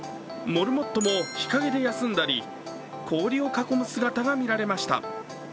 モルモットも日陰で休んだり氷を囲む姿が見られました。